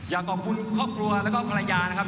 อยากขอบคุณครอบครัวแล้วก็ภรรยานะครับ